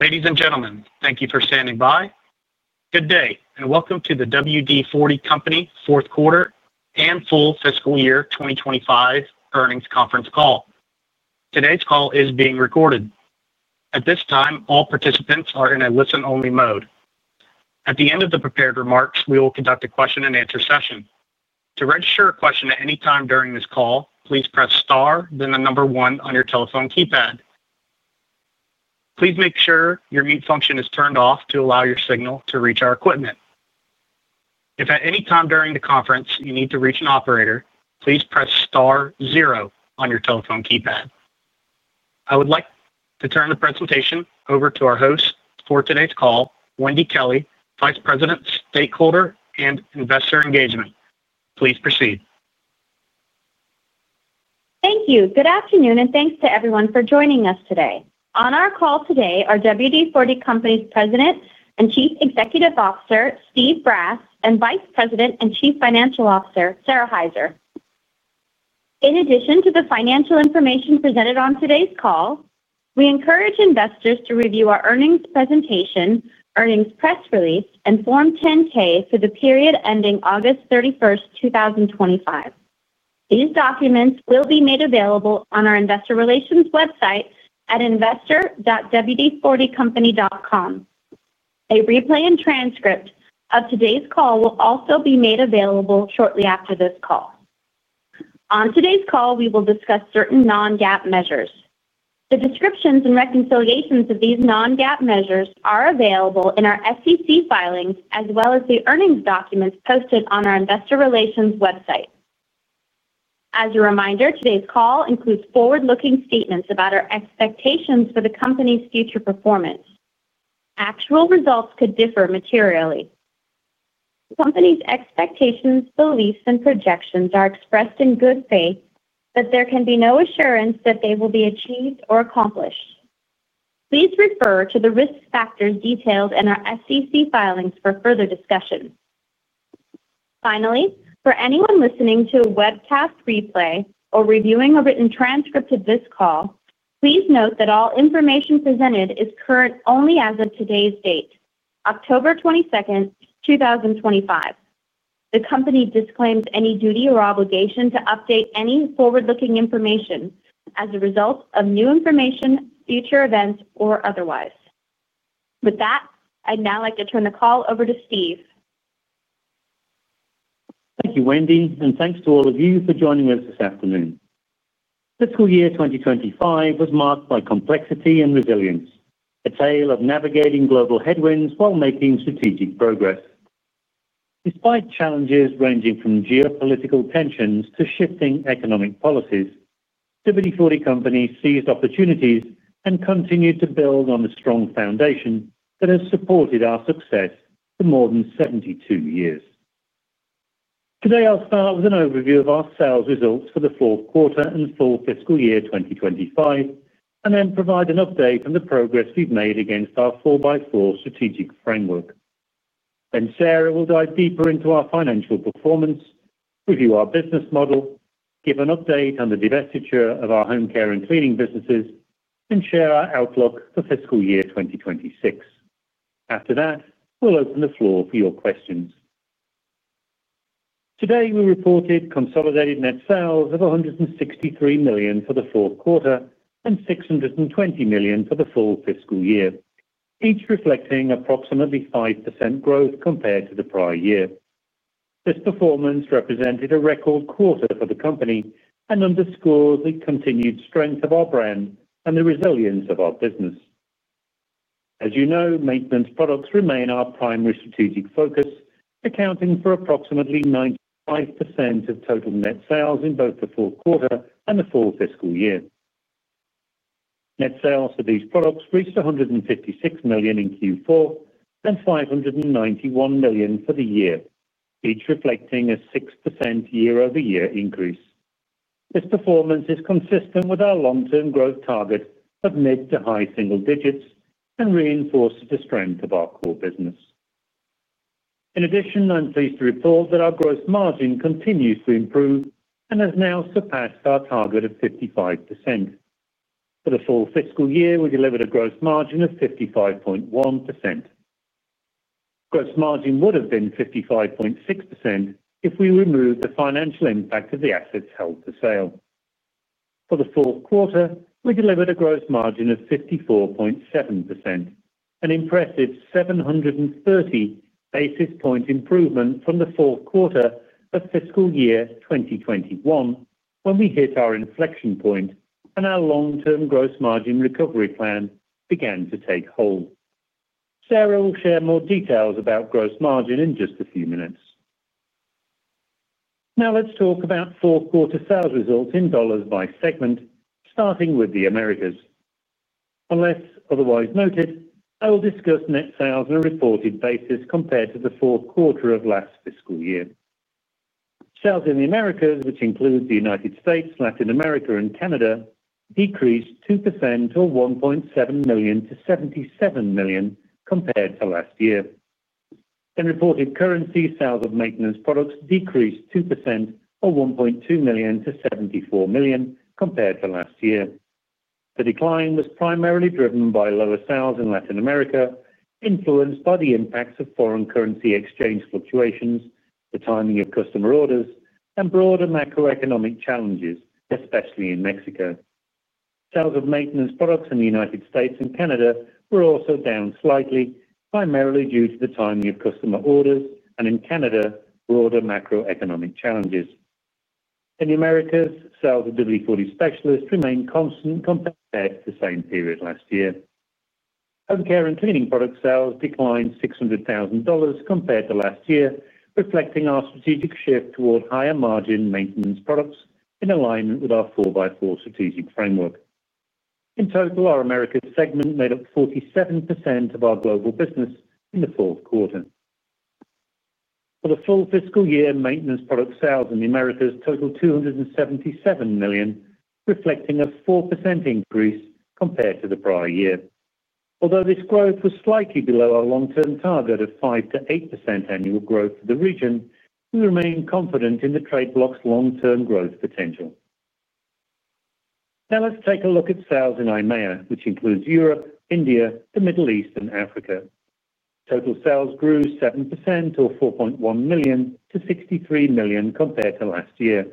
Ladies and gentlemen, thank you for standing by. Good day and welcome to the WD-40 Company fourth quarter and full fiscal year 2025 earnings conference call. Today's call is being recorded. At this time, all participants are in a listen-only mode. At the end of the prepared remarks, we will conduct a question and answer session. To register a question at any time during this call, please press star, then the number one on your telephone keypad. Please make sure your mute function is turned off to allow your signal to reach our equipment. If at any time during the conference you need to reach an operator, please press star zero on your telephone keypad. I would like to turn the presentation over to our host for today's call, Wendy Kelley, Vice President, Stakeholder and Investor Engagement. Please proceed. Thank you. Good afternoon and thanks to everyone for joining us today. On our call today are WD-40 Company's President and Chief Executive Officer, Steve Brass, and Vice President and Chief Financial Officer, Sara Hyzer. In addition to the financial information presented on today's call, we encourage investors to review our earnings presentation, earnings press release, and Form 10-K for the period ending August 31, 2025. These documents will be made available on our investor relations website at investor.wd40company.com. A replay and transcript of today's call will also be made available shortly after this call. On today's call, we will discuss certain non-GAAP measures. The descriptions and reconciliations of these non-GAAP measures are available in our SEC filings as well as the earnings documents posted on our investor relations website. As a reminder, today's call includes forward-looking statements about our expectations for the company's future performance. Actual results could differ materially. The company's expectations, beliefs, and projections are expressed in good faith, but there can be no assurance that they will be achieved or accomplished. Please refer to the risk factors detailed in our SEC filings for further discussion. Finally, for anyone listening to a webcast replay or reviewing a written transcript of this call, please note that all information presented is current only as of today's date, October 22, 2025. The company disclaims any duty or obligation to update any forward-looking information as a result of new information, future events, or otherwise. With that, I'd now like to turn the call over to Steve. Thank you, Wendy, and thanks to all of you for joining us this afternoon. Fiscal year 2025 was marked by complexity and resilience, a tale of navigating global headwinds while making strategic progress. Despite challenges ranging from geopolitical tensions to shifting economic policies, WD-40 Company seized opportunities and continued to build on a strong foundation that has supported our success for more than 72 years. Today, I'll start with an overview of our sales results for the fourth quarter and full fiscal year 2025, and then provide an update on the progress we've made against our four-by-four strategic framework. Sara will dive deeper into our financial performance, review our business model, give an update on the divestiture of our home care and cleaning businesses, and share our outlook for fiscal year 2026. After that, we'll open the floor for your questions. Today, we reported consolidated net sales of $163 million for the fourth quarter and $620 million for the full fiscal year, each reflecting approximately 5% growth compared to the prior year. This performance represented a record quarter for the company and underscores the continued strength of our brand and the resilience of our business. As you know, maintenance products remain our primary strategic focus, accounting for approximately 95% of total net sales in both the fourth quarter and the full fiscal year. Net sales for these products reached $156 million in Q4 and $591 million for the year, each reflecting a 6% year-over-year increase. This performance is consistent with our long-term growth target of mid to high single digits and reinforces the strength of our core business. In addition, I'm pleased to report that our gross margin continues to improve and has now surpassed our target of 55%. For the full fiscal year, we delivered a gross margin of 55.1%. Gross margin would have been 55.6% if we removed the financial impact of the assets held for sale. For the fourth quarter, we delivered a gross margin of 54.7%, an impressive 730 basis point improvement from the fourth quarter of fiscal year 2021 when we hit our inflection point and our long-term gross margin recovery plan began to take hold. Sara will share more details about gross margin in just a few minutes. Now let's talk about fourth quarter sales results in dollars by segment, starting with the Americas. Unless otherwise noted, I will discuss net sales on a reported basis compared to the fourth quarter of last fiscal year. Sales in the Americas, which includes the United States, Latin America, and Canada, decreased 2% or $1.7 million to $77 million compared to last year. In reported currency, sales of maintenance products decreased 2% or $1.2 million to $74 million compared to last year. The decline was primarily driven by lower sales in Latin America, influenced by the impacts of foreign currency exchange fluctuations, the timing of customer orders, and broader macroeconomic challenges, especially in Mexico. Sales of maintenance products in the United States and Canada were also down slightly, primarily due to the timing of customer orders and, in Canada, broader macroeconomic challenges. In the Americas, sales of WD-40 Specialist remain constant compared to the same period last year. Home care and cleaning product sales declined $600,000 compared to last year, reflecting our strategic shift toward higher margin maintenance products in alignment with our four-by-four strategic framework. In total, our Americas segment made up 47% of our global business in the fourth quarter. For the full fiscal year, maintenance product sales in the Americas totaled $277 million, reflecting a 4% increase compared to the prior year. Although this growth was slightly below our long-term target of 5% to 8% annual growth for the region, we remain confident in the trade bloc's long-term growth potential. Now let's take a look at sales in IMEA, which includes Europe, India, the Middle East, and Africa. Total sales grew 7% or $4.1 million to $63 million compared to last year.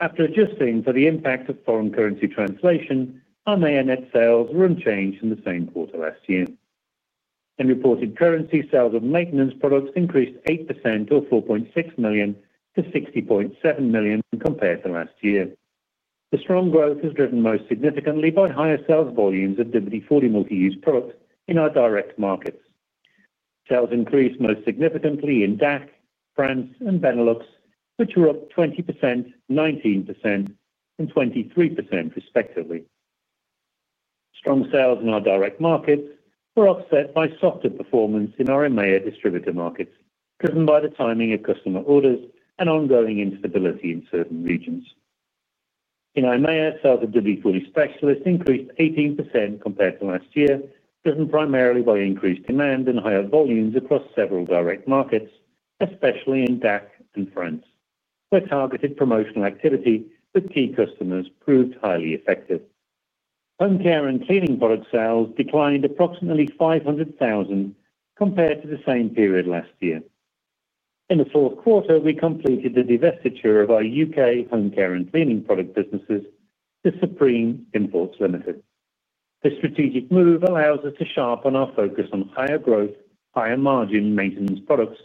After adjusting for the impact of foreign currency translation, IMEA net sales were unchanged in the same quarter last year. In reported currency, sales of maintenance products increased 8% or $4.6 million to $60.7 million compared to last year. The strong growth is driven most significantly by higher sales volumes of WD-40 Multi-Use Product in our direct markets. Sales increased most significantly in DACH, France, and Benelux, which were up 20%, 19%, and 23% respectively. Strong sales in our direct markets were offset by softer performance in our IMEA distributor markets, driven by the timing of customer orders and ongoing instability in certain regions. In IMEA, sales of WD-40 Specialist increased 18% compared to last year, driven primarily by increased demand and higher volumes across several direct markets, especially in DACH and France, where targeted promotional activity with key customers proved highly effective. Home care and cleaning product sales declined approximately $500,000 compared to the same period last year. In the fourth quarter, we completed the divestiture of our UK home care and cleaning product businesses, the 1001 and Carpet Fresh brands, to Supreme Imports Limited. This strategic move allows us to sharpen our focus on higher growth, higher margin maintenance products,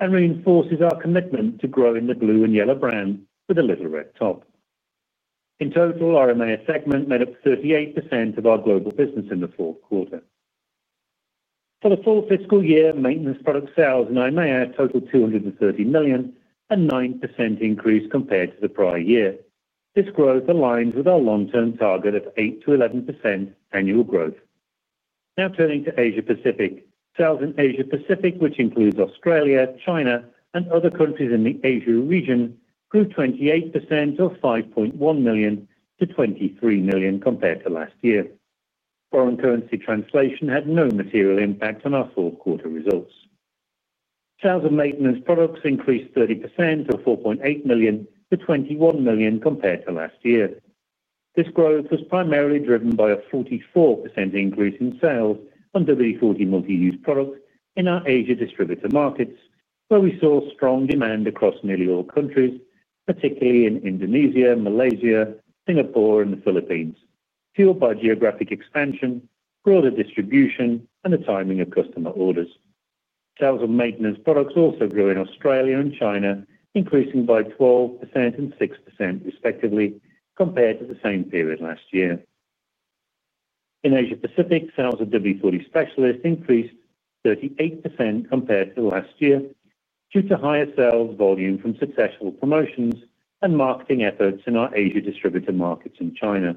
and reinforces our commitment to growing the blue and yellow brand with a little red top. In total, our IMEA segment made up 38% of our global business in the fourth quarter. For the full fiscal year, maintenance product sales in IMEA totaled $230 million, a 9% increase compared to the prior year. This growth aligns with our long-term target of 8% to 11% annual growth. Now turning to Asia-Pacific, sales in Asia-Pacific, which includes Australia, China, and other countries in the Asia region, grew 28% or $5.1 million to $23 million compared to last year. Foreign currency translation had no material impact on our fourth quarter results. Sales of maintenance products increased 30% or $4.8 million to $21 million compared to last year. This growth was primarily driven by a 44% increase in sales of WD-40 Multi-Use Product in our Asia distributor markets, where we saw strong demand across nearly all countries, particularly in Indonesia, Malaysia, Singapore, and the Philippines, fueled by geographic expansion, broader distribution, and the timing of customer orders. Sales of maintenance products also grew in Australia and China, increasing by 12% and 6% respectively compared to the same period last year. In Asia-Pacific, sales of WD-40 Specialist increased 38% compared to last year due to higher sales volume from successful promotions and marketing efforts in our Asia distributor markets and China.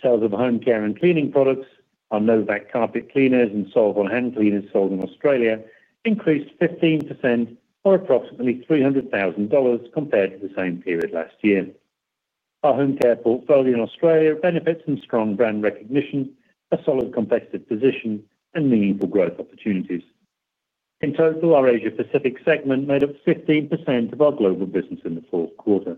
Sales of home care and cleaning products, our no vac carpet cleaners and Solvol hand cleaners sold in Australia, increased 15% or approximately $300,000 compared to the same period last year. Our home care portfolio in Australia benefits from strong brand recognition, a solid competitive position, and meaningful growth opportunities. In total, our Asia-Pacific segment made up 15% of our global business in the fourth quarter.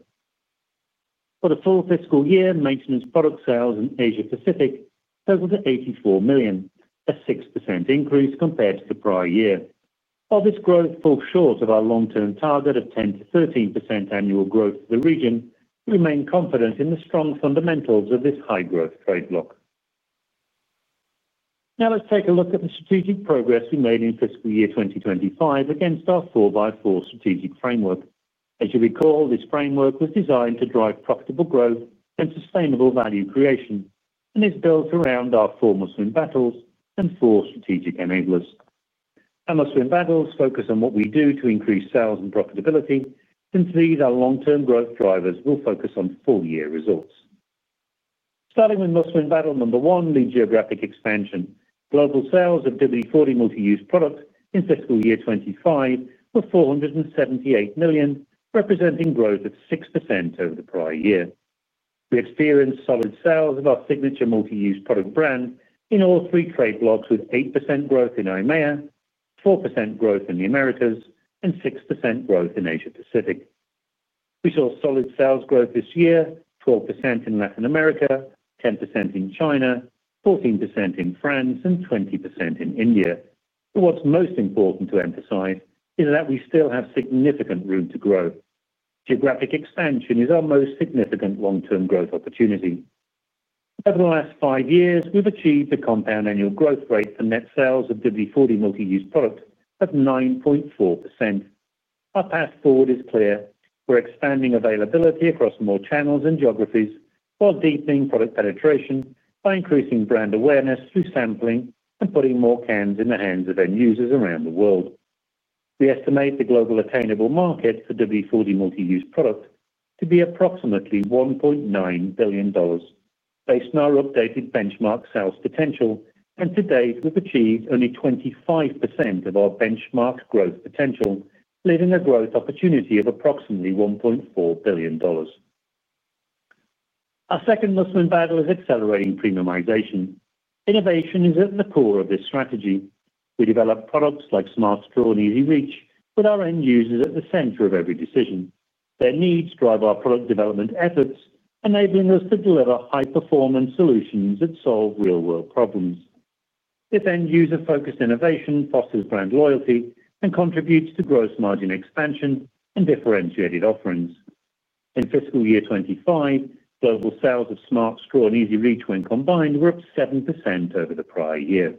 For the full fiscal year, maintenance product sales in Asia-Pacific totaled $84 million, a 6% increase compared to the prior year. While this growth falls short of our long-term target of 10%-13% annual growth for the region, we remain confident in the strong fundamentals of this high-growth trade bloc. Now let's take a look at the strategic progress we made in fiscal year 2025 against our four-by-four strategic framework. As you recall, this framework was designed to drive profitable growth and sustainable value creation and is built around our four must-win battles and four strategic enablers. Our must-win battles focus on what we do to increase sales and profitability, since these are long-term growth drivers. We'll focus on full-year results. Starting with must-win battle number one, lead geographic expansion. Global sales of WD-40 Multi-Use Product in fiscal year 2025 were $478 million, representing growth of 6% over the prior year. We experienced solid sales of our signature Multi-Use Product brand in all three trade blocs, with 8% growth in IMEA, 4% growth in the Americas, and 6% growth in Asia-Pacific. We saw solid sales growth this year, 12% in Latin America, 10% in China, 14% in France, and 20% in India. What is most important to emphasize is that we still have significant room to grow. Geographic expansion is our most significant long-term growth opportunity. Over the last five years, we've achieved a compound annual growth rate for net sales of WD-40 Multi-Use Product of 9.4%. Our path forward is clear. We're expanding availability across more channels and geographies while deepening product penetration by increasing brand awareness through sampling and putting more cans in the hands of end users around the world. We estimate the global attainable market for WD-40 Multi-Use Product to be approximately $1.9 billion. Based on our updated benchmark sales potential and to date, we've achieved only 25% of our benchmark growth potential, leaving a growth opportunity of approximately $1.4 billion. Our second must-win battle is accelerating premiumization. Innovation is at the core of this strategy. We develop products like Smart Store and Easy Reach with our end users at the center of every decision. Their needs drive our product development efforts, enabling us to deliver high-performance solutions that solve real-world problems. This end-user-focused innovation fosters brand loyalty and contributes to gross margin expansion and differentiated offerings. In fiscal year 2025, global sales of Smart Store and Easy Reach when combined were up 7% over the prior year.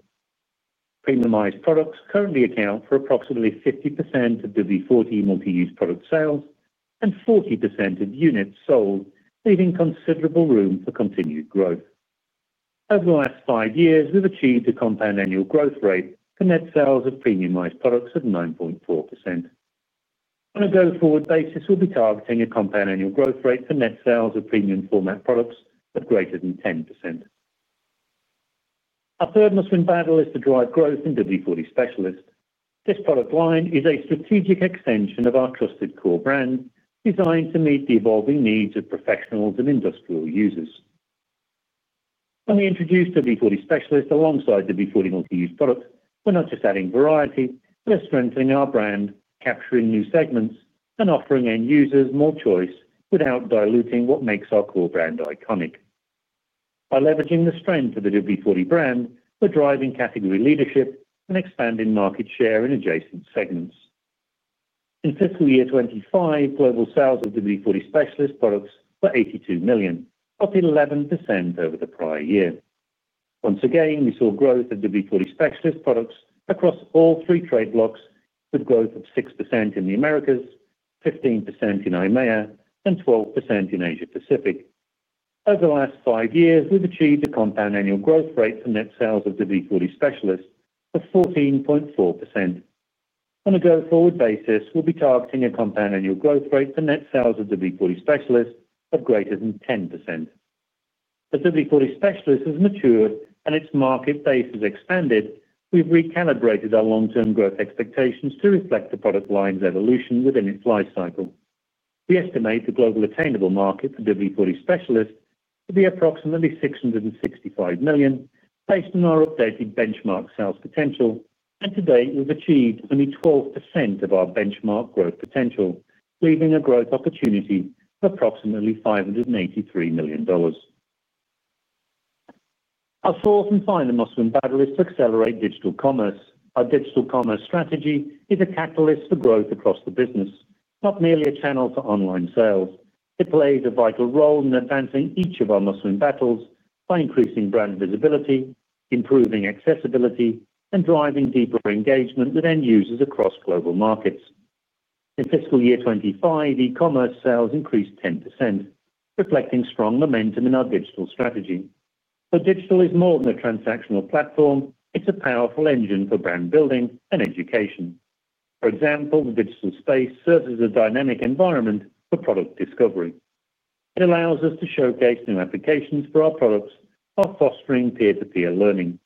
Premiumized products currently account for approximately 50% of WD-40 Multi-Use Product sales and 40% of units sold, leaving considerable room for continued growth. Over the last five years, we've achieved a compound annual growth rate for net sales of premiumized products of 9.4%. On a go-forward basis, we'll be targeting a compound annual growth rate for net sales of premium format products of greater than 10%. Our third must-win battle is to drive growth in WD-40 Specialist. This product line is a strategic extension of our trusted core brand, designed to meet the evolving needs of professionals and industrial users. When we introduce WD-40 Specialist alongside WD-40 Multi-Use Product, we're not just adding variety, but we're strengthening our brand, capturing new segments, and offering end users more choice without diluting what makes our core brand iconic. By leveraging the strength of the WD-40 brand, we're driving category leadership and expanding market share in adjacent segments. In fiscal year 2025, global sales of WD-40 Specialist products were $82 million, up 11% over the prior year. Once again, we saw growth of WD-40 Specialist products across all three trade blocks, with growth of 6% in the Americas, 15% in IMEA, and 12% in Asia-Pacific. Over the last five years, we've achieved a compound annual growth rate for net sales of WD-40 Specialist of 14.4%. On a go-forward basis, we'll be targeting a compound annual growth rate for net sales of WD-40 Specialist of greater than 10%. As WD-40 Specialist has matured and its market base has expanded, we've recalibrated our long-term growth expectations to reflect the product line's evolution within its lifecycle. We estimate the global attainable market for WD-40 Specialist to be approximately $665 million based on our updated benchmark sales potential. To date, we've achieved only 12% of our benchmark growth potential, leaving a growth opportunity of approximately $583 million. Our fourth and final must-win battle is to accelerate digital commerce. Our digital commerce strategy is a catalyst for growth across the business, not merely a channel for online sales. It plays a vital role in advancing each of our must-win battles by increasing brand visibility, improving accessibility, and driving deeper engagement with end users across global markets. In fiscal year 2025, e-commerce sales increased 10%, reflecting strong momentum in our digital strategy. Digital is more than a transactional platform. It's a powerful engine for brand building and education. For example, the digital space serves as a dynamic environment for product discovery. It allows us to showcase new applications for our products while fostering peer-to-peer learning.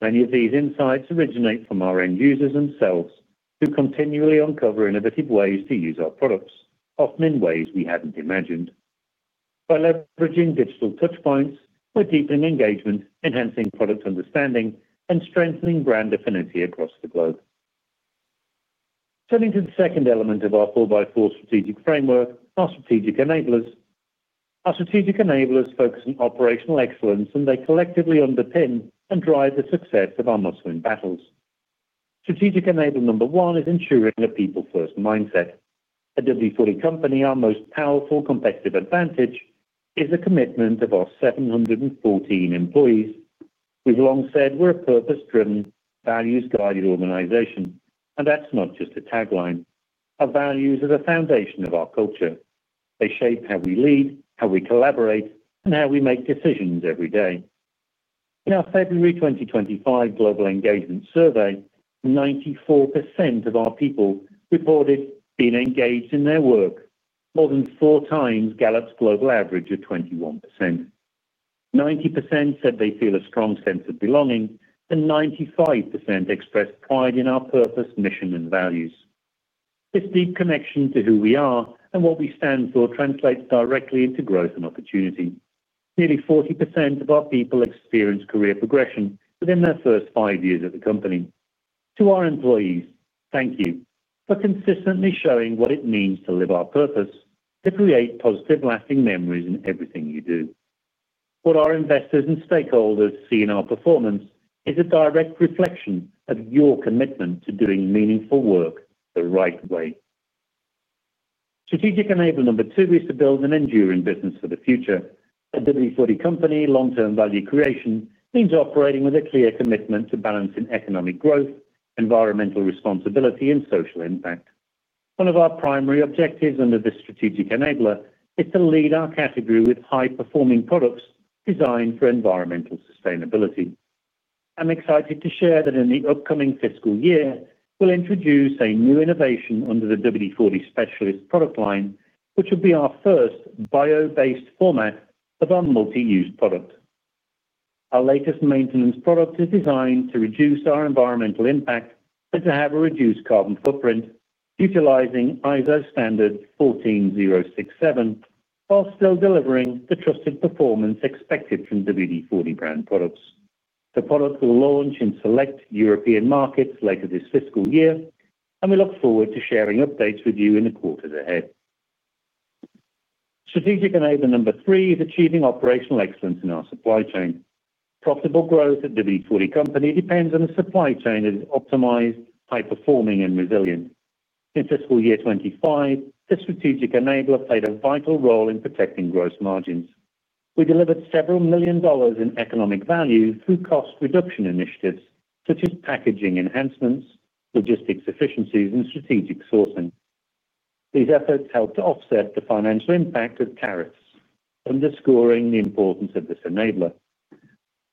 Many of these insights originate from our end users themselves, who continually uncover innovative ways to use our products, often in ways we hadn't imagined. By leveraging digital touchpoints, we're deepening engagement, enhancing product understanding, and strengthening brand affinity across the globe. Turning to the second element of our four-by-four strategic framework, our strategic enablers. Our strategic enablers focus on operational excellence, and they collectively underpin and drive the success of our must-win battles. Strategic enabler number one is ensuring a people-first mindset. At WD-40 Company, our most powerful competitive advantage is a commitment of our 714 employees. We've long said we're a purpose-driven, values-guided organization, and that's not just a tagline. Our values are the foundation of our culture. They shape how we lead, how we collaborate, and how we make decisions every day. In our February 2025 global engagement survey, 94% of our people reported being engaged in their work, more than four times Gallup's global average of 21%. 90% said they feel a strong sense of belonging, and 95% expressed pride in our purpose, mission, and values. This deep connection to who we are and what we stand for translates directly into growth and opportunity. Nearly 40% of our people experience career progression within their first five years at the company. To our employees, thank you for consistently showing what it means to live our purpose, to create positive, lasting memories in everything you do. What our investors and stakeholders see in our performance is a direct reflection of your commitment to doing meaningful work the right way. Strategic enabler number two is to build an enduring business for the future. At WD-40 Company, long-term value creation means operating with a clear commitment to balancing economic growth, environmental responsibility, and social impact. One of our primary objectives under this strategic enabler is to lead our category with high-performing products designed for environmental sustainability. I'm excited to share that in the upcoming fiscal year, we'll introduce a new innovation under the WD-40 Specialist product line, which will be our first bio-based format of our multi-use product. Our latest maintenance product is designed to reduce our environmental impact and to have a reduced carbon footprint, utilizing ISO standard 14067, while still delivering the trusted performance expected from WD-40 brand products. The product will launch in select European markets later this fiscal year, and we look forward to sharing updates with you in the quarters ahead. Strategic enabler number three is achieving operational excellence in our supply chain. Profitable growth at WD-40 Company depends on a supply chain that is optimized, high-performing, and resilient. In fiscal year 2025, the strategic enabler played a vital role in protecting gross margins. We delivered several million dollars in economic value through cost reduction initiatives such as packaging enhancements, logistics efficiencies, and strategic sourcing. These efforts helped to offset the financial impact of tariffs, underscoring the importance of this enabler.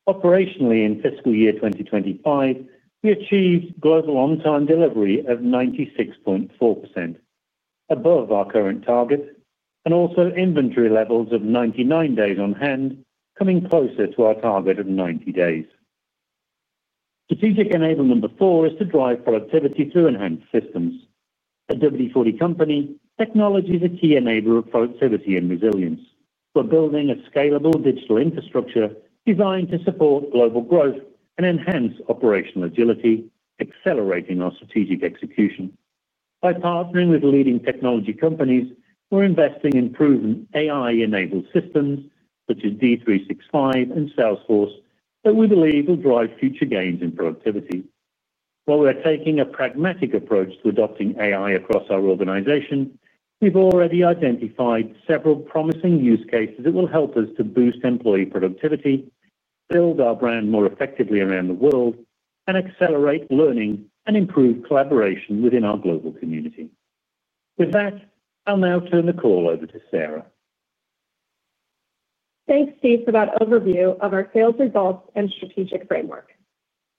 Operationally, in fiscal year 2025, we achieved global on-time delivery of 96.4%, above our current target, and also inventory levels of 99 days on hand, coming closer to our target of 90 days. Strategic enabler number four is to drive productivity through enhanced systems. At WD-40 Company, technology is a key enabler of productivity and resilience. We're building a scalable digital infrastructure designed to support global growth and enhance operational agility, accelerating our strategic execution. By partnering with leading technology companies, we're investing in proven AI-enabled systems such as D365 and Salesforce that we believe will drive future gains in productivity. While we're taking a pragmatic approach to adopting AI across our organization, we've already identified several promising use cases that will help us to boost employee productivity, build our brand more effectively around the world, and accelerate learning and improve collaboration within our global community. With that, I'll now turn the call over to Sara. Thanks, Steve, for that overview of our sales results and strategic framework.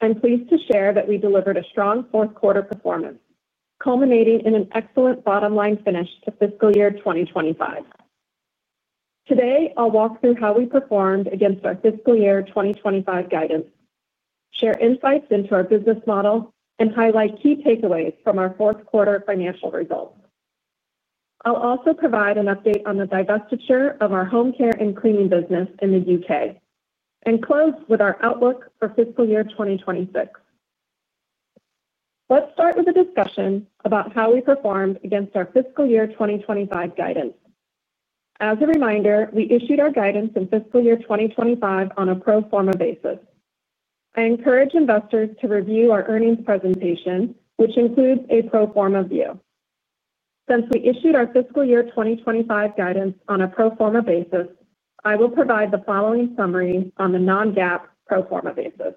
I'm pleased to share that we delivered a strong fourth quarter performance, culminating in an excellent bottom-line finish to fiscal year 2025. Today, I'll walk through how we performed against our fiscal year 2025 guidance, share insights into our business model, and highlight key takeaways from our fourth quarter financial results. I'll also provide an update on the divestiture of our home care and cleaning business in the UK, and close with our outlook for fiscal year 2026. Let's start with a discussion about how we performed against our fiscal year 2025 guidance. As a reminder, we issued our guidance in fiscal year 2025 on a pro forma basis. I encourage investors to review our earnings presentation, which includes a pro forma view. Since we issued our fiscal year 2025 guidance on a pro forma basis, I will provide the following summary on the non-GAAP pro forma basis.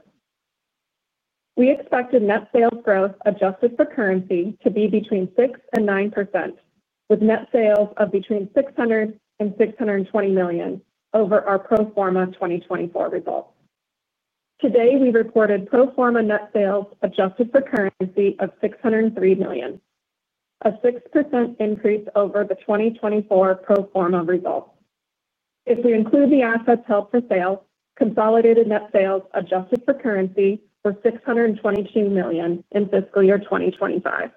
We expected net sales growth adjusted for currency to be between 6% and 9%, with net sales of between $600 million and $620 million over our pro forma 2024 results. Today, we reported pro forma net sales adjusted for currency of $603 million, a 6% increase over the 2024 pro forma results. If we include the assets held for sale, consolidated net sales adjusted for currency were $622 million in fiscal year 2025.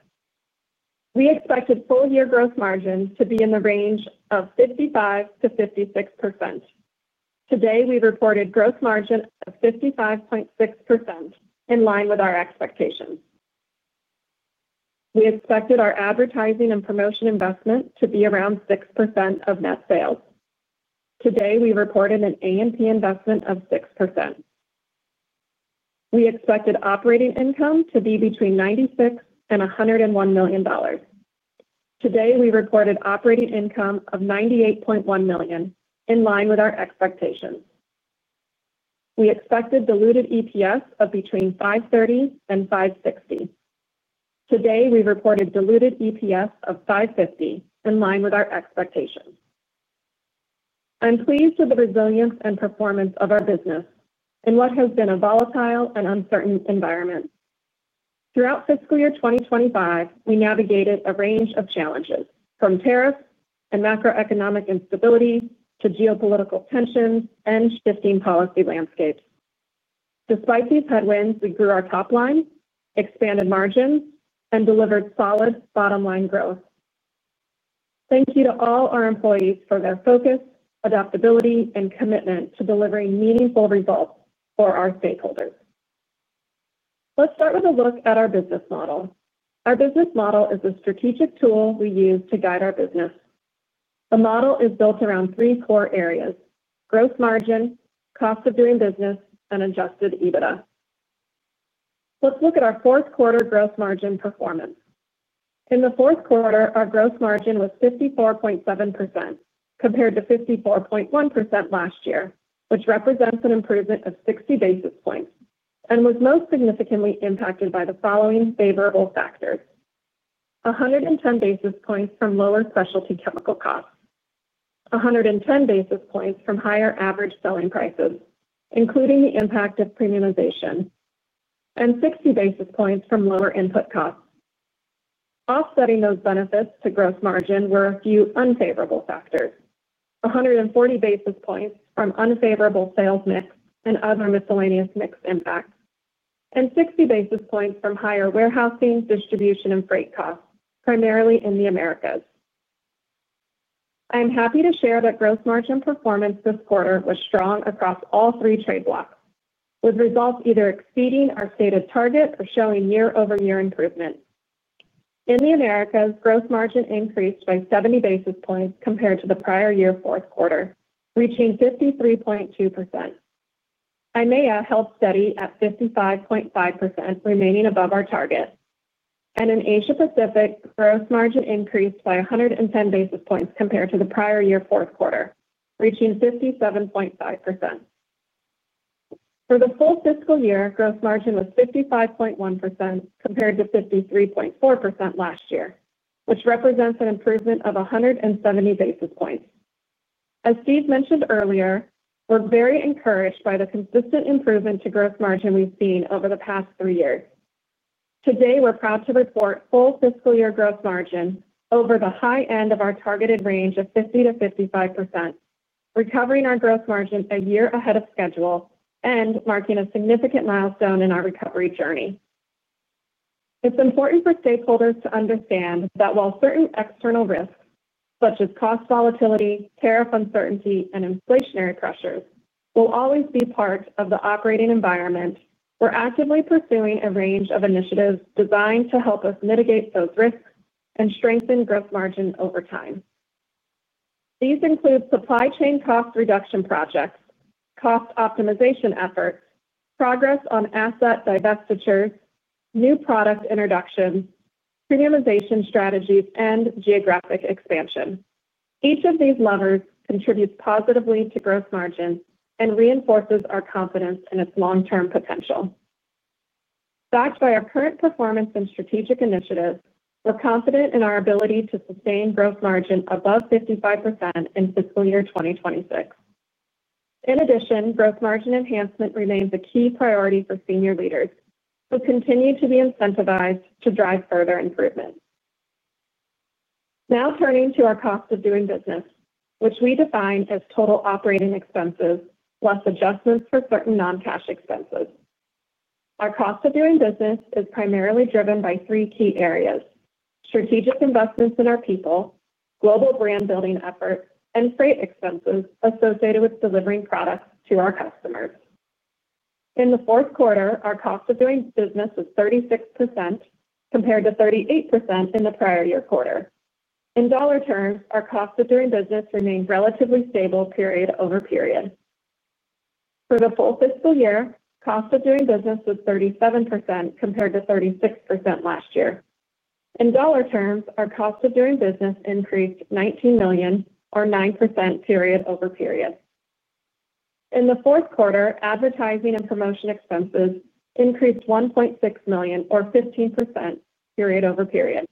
We expected full-year gross margins to be in the range of 55%-56%. Today, we reported a gross margin of 55.6% in line with our expectations. We expected our advertising and promotion investment to be around 6% of net sales. Today, we reported an A&P investment of 6%. We expected operating income to be between $96 million and $101 million. Today, we reported an operating income of $98.1 million in line with our expectations. We expected diluted EPS of between $5.30 and $5.60. Today, we reported a diluted EPS of $5.50 in line with our expectations. I'm pleased with the resilience and performance of our business in what has been a volatile and uncertain environment. Throughout fiscal year 2025, we navigated a range of challenges, from tariffs and macroeconomic instability to geopolitical tensions and shifting policy landscapes. Despite these headwinds, we grew our top line, expanded margins, and delivered solid bottom-line growth. Thank you to all our employees for their focus, adaptability, and commitment to delivering meaningful results for our stakeholders. Let's start with a look at our business model. Our business model is a strategic tool we use to guide our business. The model is built around three core areas: gross margin, cost of doing business, and adjusted EBITDA. Let's look at our fourth quarter gross margin performance. In the fourth quarter, our gross margin was 54.7% compared to 54.1% last year, which represents an improvement of 60 basis points and was most significantly impacted by the following favorable factors: 110 basis points from lower specialty chemical costs, 110 basis points from higher average selling prices, including the impact of premiumization, and 60 basis points from lower input costs. Offsetting those benefits to gross margin were a few unfavorable factors: 140 basis points from unfavorable sales mix and other miscellaneous mix impacts, and 60 basis points from higher warehousing, distribution, and freight costs, primarily in the Americas. I am happy to share that gross margin performance this quarter was strong across all three trade blocks, with results either exceeding our stated target or showing year-over-year improvement. In the Americas, gross margin increased by 70 basis points compared to the prior year fourth quarter, reaching 53.2%. IMEA held steady at 55.5%, remaining above our target. In Asia-Pacific, gross margin increased by 110 basis points compared to the prior year fourth quarter, reaching 57.5%. For the full fiscal year, gross margin was 55.1% compared to 53.4% last year, which represents an improvement of 170 basis points. As Steve mentioned earlier, we're very encouraged by the consistent improvement to gross margin we've seen over the past three years. Today, we're proud to report full fiscal year gross margin over the high end of our targeted range of 50%-55%, recovering our gross margin a year ahead of schedule and marking a significant milestone in our recovery journey. It's important for stakeholders to understand that while certain external risks, such as cost volatility, tariff uncertainty, and inflationary pressures, will always be part of the operating environment, we're actively pursuing a range of initiatives designed to help us mitigate those risks and strengthen gross margin over time. These include supply chain cost reduction projects, cost optimization efforts, progress on asset divestitures, new product introductions, premiumization strategies, and geographic expansion. Each of these levers contributes positively to gross margin and reinforces our confidence in its long-term potential. Backed by our current performance and strategic initiatives, we're confident in our ability to sustain gross margin above 55% in fiscal year 2026. In addition, gross margin enhancement remains a key priority for Senior Leaders, who continue to be incentivized to drive further improvement. Now turning to our cost of doing business, which we define as total operating expenses plus adjustments for certain non-cash expenses. Our cost of doing business is primarily driven by three key areas: strategic investments in our people, global brand building efforts, and freight expenses associated with delivering products to our customers. In the fourth quarter, our cost of doing business was 36% compared to 38% in the prior year quarter. In dollar terms, our cost of doing business remained relatively stable period over period. For the full fiscal year, cost of doing business was 37% compared to 36% last year. In dollar terms, our cost of doing business increased $19 million, or 9% period over period. In the fourth quarter, advertising and promotion expenses increased $1.6 million, or 15% period over period.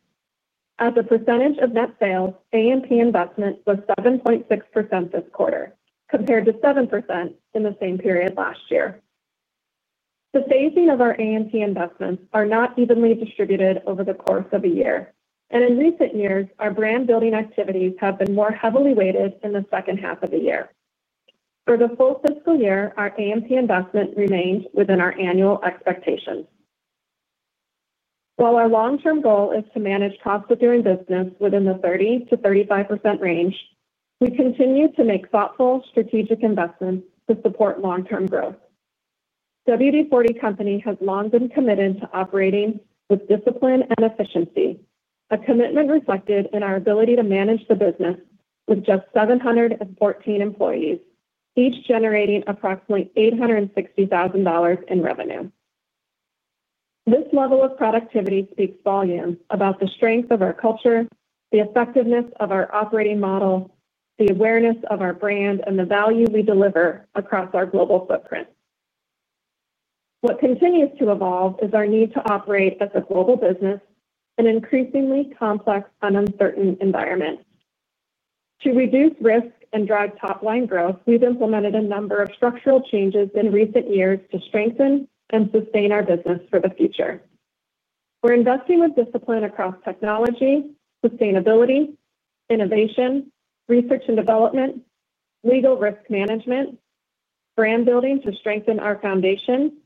As a percentage of net sales, A&P investment was 7.6% this quarter, compared to 7% in the same period last year. The phasing of our A&P investments are not evenly distributed over the course of a year, and in recent years, our brand building activities have been more heavily weighted in the second half of the year. For the full fiscal year, our A&P investment remained within our annual expectations. While our long-term goal is to manage cost of doing business within the 30%-35% range, we continue to make thoughtful strategic investments to support long-term growth. WD-40 Company has long been committed to operating with discipline and efficiency, a commitment reflected in our ability to manage the business with just 714 employees, each generating approximately $860,000 in revenue. This level of productivity speaks volumes about the strength of our culture, the effectiveness of our operating model, the awareness of our brand, and the value we deliver across our global footprint. What continues to evolve is our need to operate as a global business in an increasingly complex and uncertain environment. To reduce risk and drive top-line growth, we've implemented a number of structural changes in recent years to strengthen and sustain our business for the future. We're investing with discipline across technology, sustainability, innovation, research and development, legal risk management, brand building to strengthen our foundation,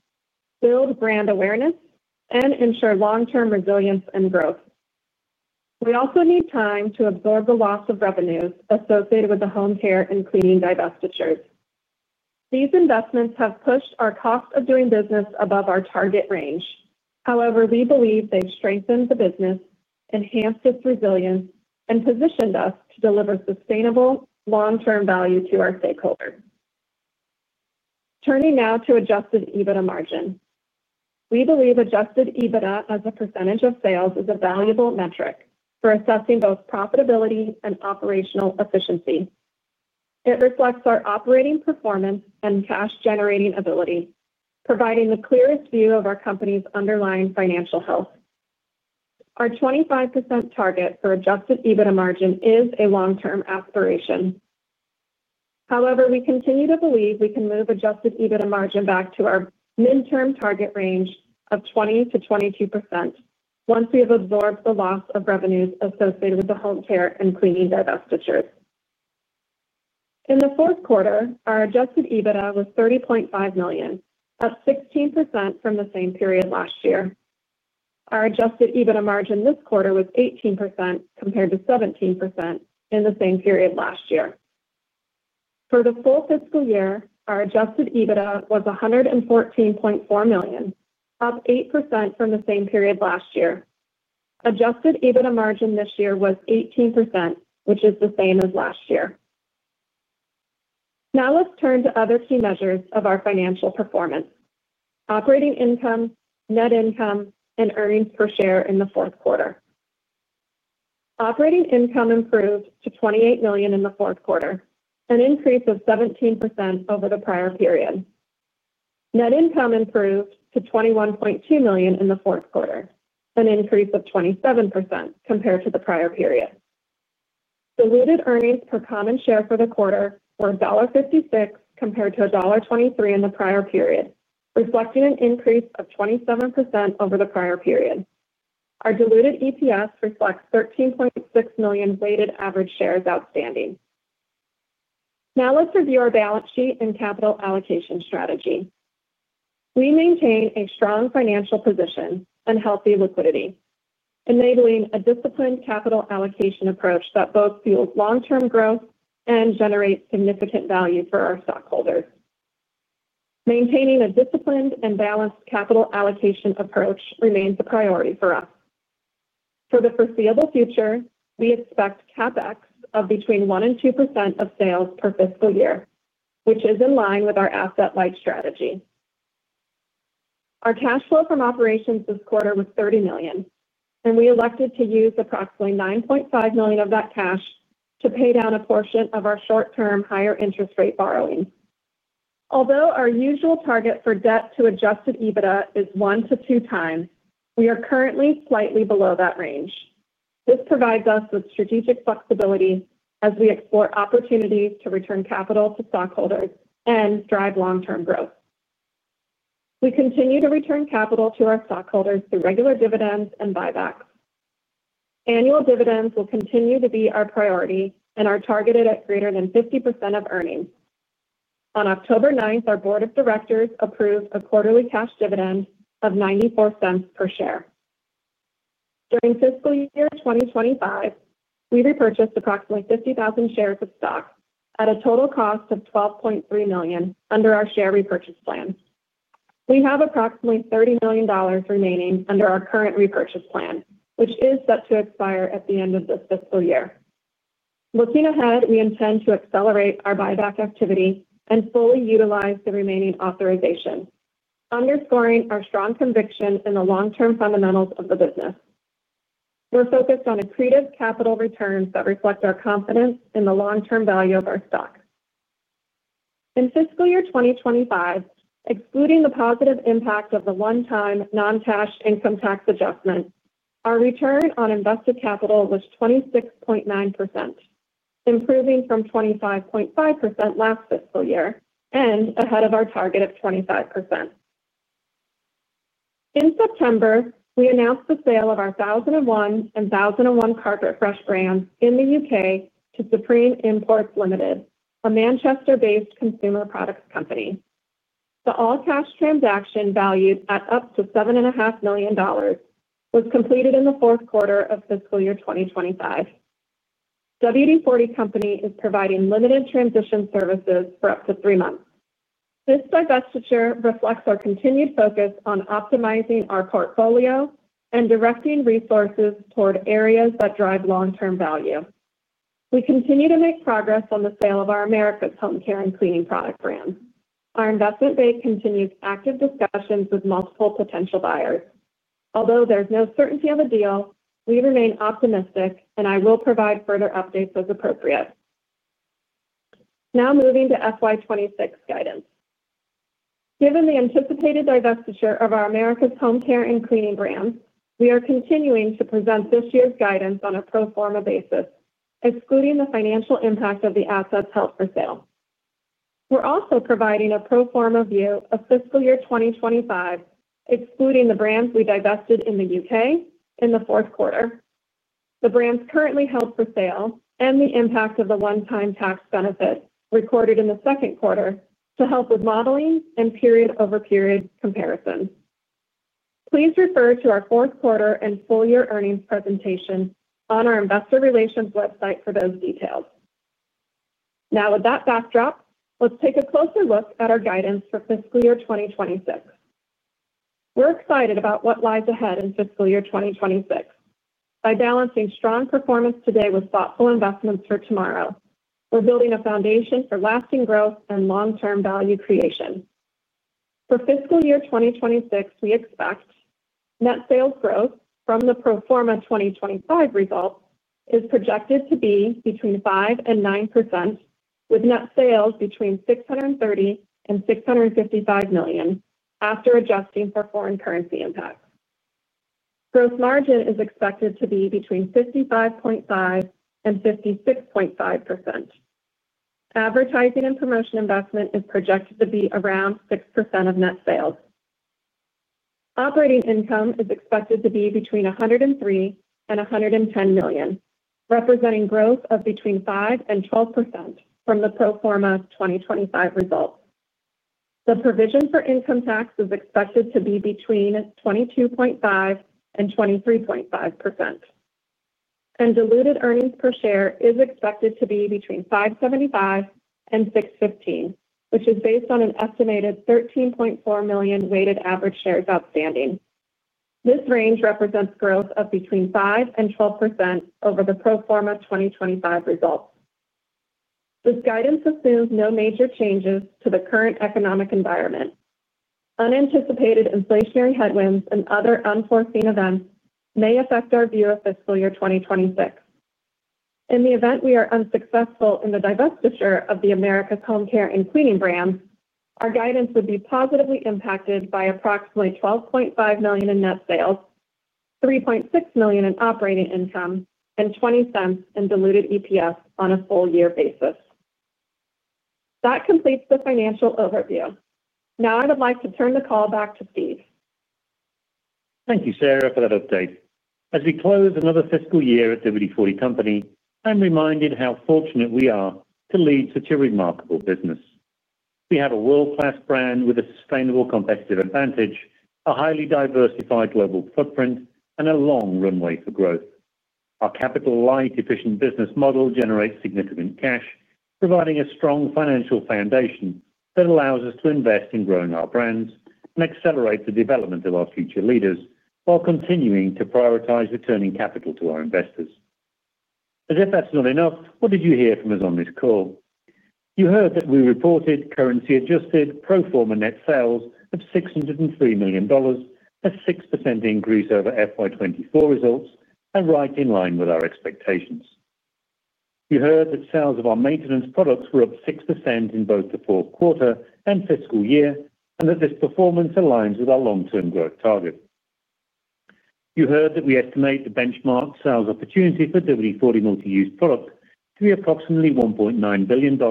build brand awareness, and ensure long-term resilience and growth. We also need time to absorb the loss of revenues associated with the home care and cleaning divestitures. These investments have pushed our cost of doing business above our target range. However, we believe they've strengthened the business, enhanced its resilience, and positioned us to deliver sustainable long-term value to our stakeholders. Turning now to adjusted EBITDA margin. We believe adjusted EBITDA as a percentage of sales is a valuable metric for assessing both profitability and operational efficiency. It reflects our operating performance and cash-generating ability, providing the clearest view of our company's underlying financial health. Our 25% target for adjusted EBITDA margin is a long-term aspiration. However, we continue to believe we can move adjusted EBITDA margin back to our midterm target range of 20%-22% once we have absorbed the loss of revenues associated with the home care and cleaning divestitures. In the fourth quarter, our adjusted EBITDA was $30.5 million, up 16% from the same period last year. Our adjusted EBITDA margin this quarter was 18% compared to 17% in the same period last year. For the full fiscal year, our adjusted EBITDA was $114.4 million, up 8% from the same period last year. Adjusted EBITDA margin this year was 18%, which is the same as last year. Now let's turn to other key measures of our financial performance: operating income, net income, and earnings per share in the fourth quarter. Operating income improved to $28 million in the fourth quarter, an increase of 17% over the prior period. Net income improved to $21.2 million in the fourth quarter, an increase of 27% compared to the prior period. Diluted earnings per common share for the quarter were $1.56 compared to $1.23 in the prior period, reflecting an increase of 27% over the prior period. Our diluted EPS reflects 13.6 million weighted average shares outstanding. Now let's review our balance sheet and capital allocation strategy. We maintain a strong financial position and healthy liquidity, enabling a disciplined capital allocation approach that both fuels long-term growth and generates significant value for our stockholders. Maintaining a disciplined and balanced capital allocation approach remains a priority for us. For the foreseeable future, we expect CapEx of between 1% and 2% of sales per fiscal year, which is in line with our asset-wide strategy. Our cash flow from operations this quarter was $30 million, and we elected to use approximately $9.5 million of that cash to pay down a portion of our short-term higher interest rate borrowings. Although our usual target for debt to adjusted EBITDA is 1 to 2 times, we are currently slightly below that range. This provides us with strategic flexibility as we explore opportunities to return capital to stockholders and drive long-term growth. We continue to return capital to our stockholders through regular dividends and buybacks. Annual dividends will continue to be our priority, and are targeted at greater than 50% of earnings. On October 9, our Board of Directors approved a quarterly cash dividend of $0.94 per share. During fiscal year 2025, we repurchased approximately 50,000 shares of stock at a total cost of $12.3 million under our share repurchase plan. We have approximately $30 million remaining under our current repurchase plan, which is set to expire at the end of this fiscal year. Looking ahead, we intend to accelerate our buyback activity and fully utilize the remaining authorization, underscoring our strong conviction in the long-term fundamentals of the business. We're focused on accretive capital returns that reflect our confidence in the long-term value of our stock. In fiscal year 2025, excluding the positive impact of the one-time non-cash income tax adjustment, our return on invested capital was 26.9%, improving from 25.5% last fiscal year and ahead of our target of 25%. In September, we announced the sale of our 1001 and Carpet Fresh brands in the UK to Supreme Imports Limited, a Manchester-based consumer products company. The all-cash transaction valued at up to $7.5 million was completed in the fourth quarter of fiscal year 2025. WD-40 Company is providing limited transition services for up to three months. This divestiture reflects our continued focus on optimizing our portfolio and directing resources toward areas that drive long-term value. We continue to make progress on the sale of our Americas Home Care and Cleaning product brand. Our investment bank continues active discussions with multiple potential buyers. Although there's no certainty of a deal, we remain optimistic, and I will provide further updates as appropriate. Now moving to FY 2026 guidance. Given the anticipated divestiture of our Americas Home Care and Cleaning brands, we are continuing to present this year's guidance on a pro forma basis, excluding the financial impact of the assets held for sale. We're also providing a pro forma view of fiscal year 2025, excluding the brands we divested in the UK in the fourth quarter, the brands currently held for sale, and the impact of the one-time tax benefit recorded in the second quarter to help with modeling and period-over-period comparison. Please refer to our fourth quarter and full-year earnings presentation on our investor relations website for those details. Now, with that backdrop, let's take a closer look at our guidance for fiscal year 2026. We're excited about what lies ahead in fiscal year 2026. By balancing strong performance today with thoughtful investments for tomorrow, we're building a foundation for lasting growth and long-term value creation. For fiscal year 2026, we expect net sales growth from the pro forma 2025 results is projected to be between 5% and 9%, with net sales between $630 million and $655 million after adjusting for foreign currency impacts. Gross margin is expected to be between 55.5% and 56.5%. Advertising and promotion investment is projected to be around 6% of net sales. Operating income is expected to be between $103 million and $110 million, representing growth of between 5% and 12% from the pro forma 2025 results. The provision for income tax is expected to be between 22.5% and 23.5%, and diluted earnings per share is expected to be between $5.75 and $6.15, which is based on an estimated 13.4 million weighted average shares outstanding. This range represents growth of between 5% and 12% over the pro forma 2025 results. This guidance assumes no major changes to the current economic environment. Unanticipated inflationary headwinds and other unforeseen events may affect our view of fiscal year 2026. In the event we are unsuccessful in the divestiture of the Americas Home Care and Cleaning brand, our guidance would be positively impacted by approximately $12.5 million in net sales, $3.6 million in operating income, and $0.20 in diluted EPS on a full-year basis. That completes the financial overview. Now I would like to turn the call back to Steve. Thank you, Sara, for that update. As we close another fiscal year at WD-40 Company, I'm reminded how fortunate we are to lead such a remarkable business. We have a world-class brand with a sustainable competitive advantage, a highly diversified global footprint, and a long runway for growth. Our capital-light, efficient business model generates significant cash, providing a strong financial foundation that allows us to invest in growing our brands and accelerate the development of our future leaders while continuing to prioritize returning capital to our investors. As if that's not enough, what did you hear from us on this call? You heard that we reported currency-adjusted pro forma net sales of $603 million, a 6% increase over FY 2024 results, and right in line with our expectations. You heard that sales of our maintenance products were up 6% in both the fourth quarter and fiscal year, and that this performance aligns with our long-term growth target. You heard that we estimate the benchmark sales opportunity for WD-40 Multi-Use Product to be approximately $1.9 billion,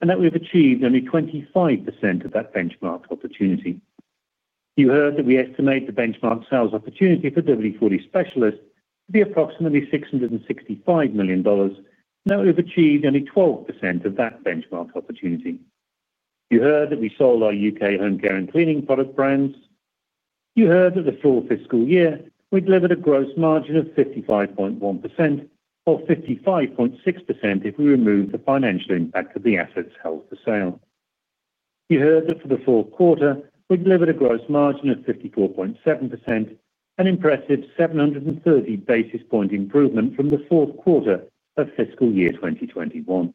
and that we have achieved only 25% of that benchmark opportunity. You heard that we estimate the benchmark sales opportunity for WD-40 Specialist to be approximately $665 million, and that we have achieved only 12% of that benchmark opportunity. You heard that we sold our UK home care and cleaning product brands. You heard that the full fiscal year, we delivered a gross margin of 55.1% or 55.6% if we remove the financial impact of the assets held for sale. You heard that for the fourth quarter, we delivered a gross margin of 54.7%, an impressive 730 basis point improvement from the fourth quarter of fiscal year 2021.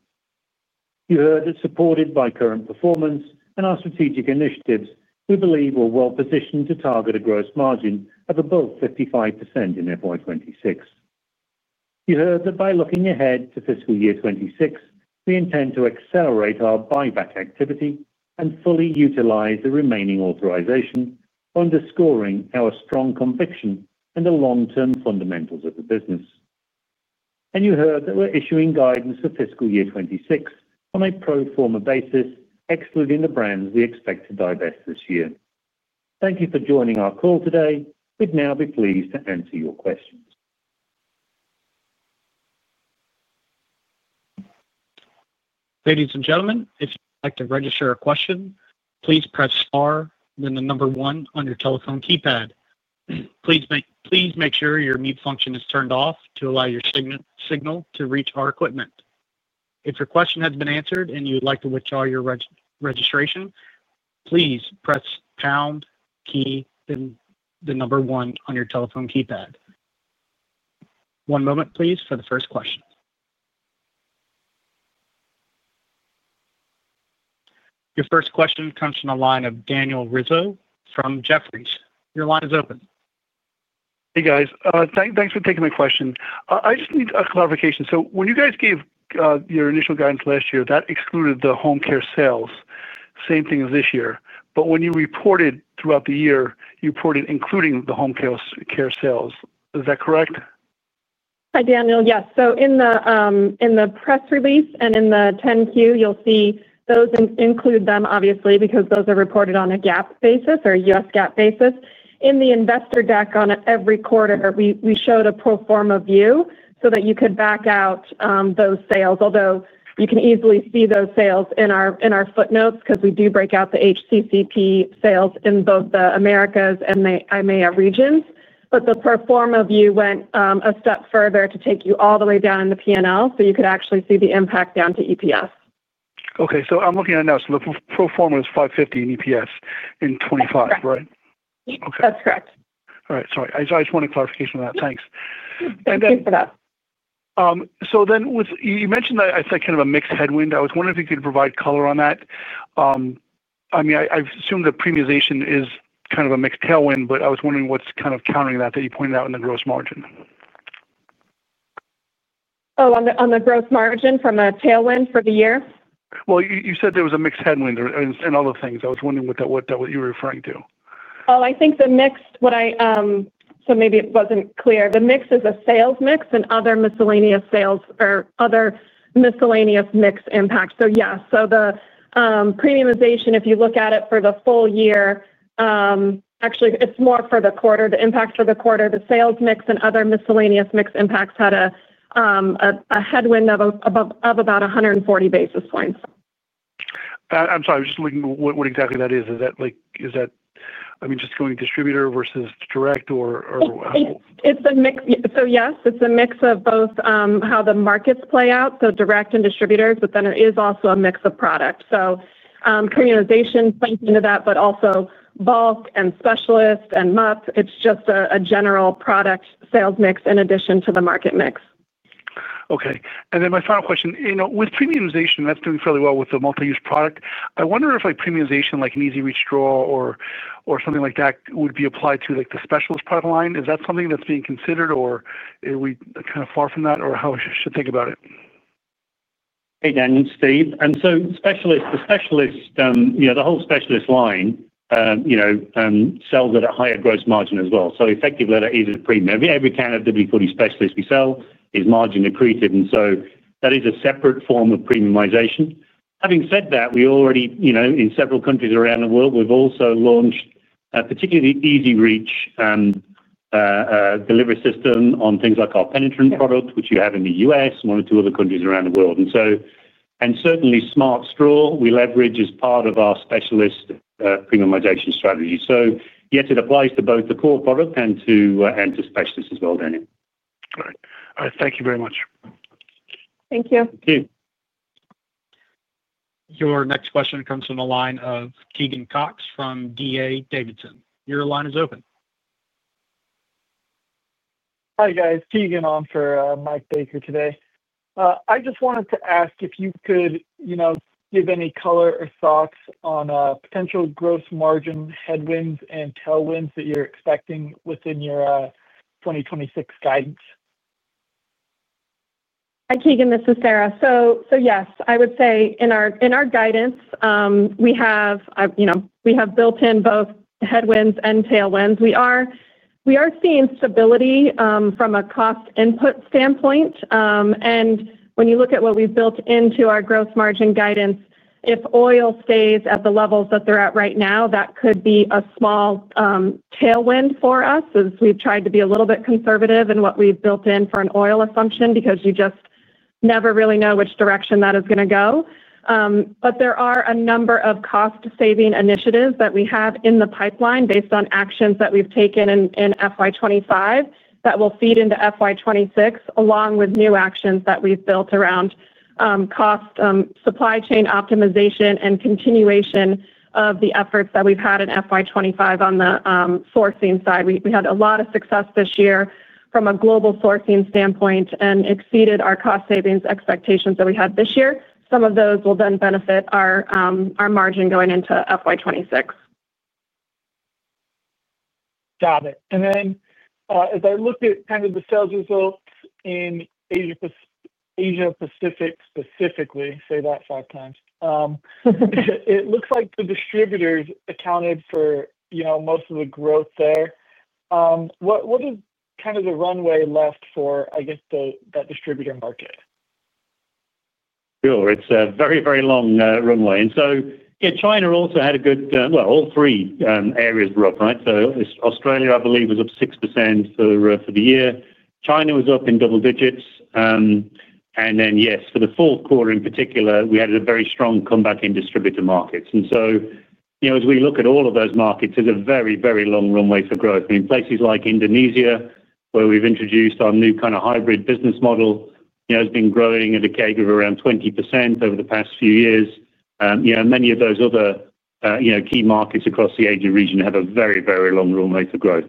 You heard that supported by current performance and our strategic initiatives, we believe we're well positioned to target a gross margin of above 55% in FY 2026. You heard that by looking ahead to fiscal year 2026, we intend to accelerate our buyback activity and fully utilize the remaining authorization, underscoring our strong conviction and the long-term fundamentals of the business. You heard that we're issuing guidance for fiscal year 2026 on a pro forma basis, excluding the brands we expect to divest this year. Thank you for joining our call today. We'd now be pleased to answer your questions. Ladies and gentlemen, if you'd like to register a question, please press R, then the number one on your telephone keypad. Please make sure your mute function is turned off to allow your signal to reach our equipment. If your question has been answered and you'd like to withdraw your registration, please press the pound key, then the number one on your telephone keypad. One moment, please, for the first question. Your first question comes from the line of Daniel Rizzo from Jefferies. Your line is open. Hey guys, thanks for taking my question. I just need a clarification. When you guys gave your initial guidance last year, that excluded the home care sales, same thing as this year. When you reported throughout the year, you reported including the home care sales. Is that correct? Hi Daniel, yes. In the press release and in the 10-Q, you'll see those include them, obviously, because those are reported on a GAAP basis or a U.S. GAAP basis. In the investor deck on every quarter, we showed a pro forma view so that you could back out those sales, although you can easily see those sales in our footnotes because we do break out the HCCP sales in both the Americas and the IMEA regions. The pro forma view went a step further to take you all the way down in the P&L so you could actually see the impact down to EPS. Okay, I'm looking at it now. The pro forma is $5.50 in EPS in 2025, right? Yep. Okay. That's correct. All right, sorry. I just wanted clarification on that. Thanks. Thank you for that. You mentioned that I think kind of a mixed headwind. I was wondering if you could provide color on that. I assume that premiumization is kind of a mixed tailwind, but I was wondering what's kind of countering that that you pointed out in the gross margin. Oh, on the gross margin from a tailwind for the year? You said there was a mixed headwind and other things. I was wondering what you were referring to. I think the mix, what I, maybe it wasn't clear. The mix is a sales mix and other miscellaneous sales or other miscellaneous mix impacts. Yes, the premiumization, if you look at it for the full year, actually, it's more for the quarter. The impact for the quarter, the sales mix and other miscellaneous mix impacts had a headwind of about 140 basis points. I'm sorry, I was just looking at what exactly that is. Is that like, is that, I mean, just going distributor versus direct? It's a mix. Yes, it's a mix of both how the markets play out, direct and distributors, but there is also a mix of product. Premiumization plays into that, but also bulk and Specialist and Multi-Use Product. It's just a general product sales mix in addition to the market mix. Okay. My final question, you know, with premiumization, that's doing fairly well with the WD-40 Multi-Use Product. I wonder if premiumization, like an easy reach straw or something like that, would be applied to the WD-40 Specialist product line. Is that something that's being considered, or are we kind of far from that, or how should we think about it? Hey Daniel, Steve. The specialist, you know, the whole specialist line, you know, sells at a higher gross margin as well. Effectively, that is a premium. Every kind of WD-40 Specialist we sell is margin accreted, and that is a separate form of premiumization. Having said that, we already, you know, in several countries around the world, we've also launched a particularly easy reach and delivery system on things like our penetrant product, which you have in the U.S. and one or two other countries around the world. Certainly, Smart Straw we leverage as part of our specialist premiumization strategy. Yes, it applies to both the core product and to specialists as well, Daniel. All right, thank you very much. Thank you. Thank you. Your next question comes from the line of Keegan Cox from D.A. Davidson. Your line is open. Hi guys, Keegan on for Mike Baker today. I just wanted to ask if you could give any color or thoughts on potential gross margin headwinds and tailwinds that you're expecting within your 2026 guidance. Hi Keegan, this is Sara. Yes, I would say in our guidance, we have built in both headwinds and tailwinds. We are seeing stability from a cost input standpoint, and when you look at what we've built into our gross margin guidance, if oil stays at the levels that they're at right now, that could be a small tailwind for us as we've tried to be a little bit conservative in what we've built in for an oil assumption because you just never really know which direction that is going to go. There are a number of cost-saving initiatives that we have in the pipeline based on actions that we've taken in FY 2025 that will feed into FY 2026, along with new actions that we've built around cost, supply chain optimization, and continuation of the efforts that we've had in FY 2025 on the sourcing side. We had a lot of success this year from a global sourcing standpoint and exceeded our cost savings expectations that we had this year. Some of those will then benefit our margin going into FY 2026. Got it. As I looked at the sales results in Asia-Pacific specifically, say that five times, it looks like the distributors accounted for most of the growth there. What is the runway left for that distributor market? Sure. It's a very, very long runway. Yeah, China also had a good year. All three areas were up, right? Australia, I believe, was up 6% for the year. China was up in double digits. Yes, for the fourth quarter in particular, we had a very strong comeback in distributor markets. As we look at all of those markets, it's a very, very long runway for growth. Places like Indonesia, where we've introduced our new kind of hybrid business model, have been growing at a CAGR of around 20% over the past few years. Many of those other key markets across the Asia region have a very, very long runway for growth.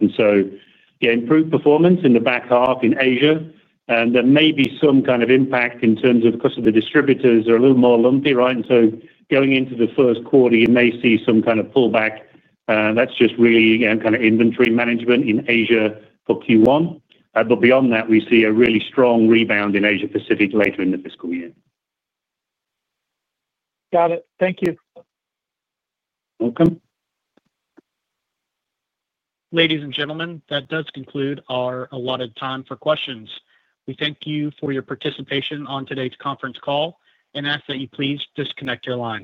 Improved performance in the back half in Asia. There may be some kind of impact in terms of, of course, the distributors are a little more lumpy, right? Going into the first quarter, you may see some kind of pullback. That's just really kind of inventory management in Asia for Q1. Beyond that, we see a really strong rebound in Asia-Pacific later in the fiscal year. Got it. Thank you. Welcome. Ladies and gentlemen, that does conclude our allotted time for questions. We thank you for your participation on today's conference call and ask that you please disconnect your line.